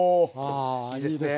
あいいですね。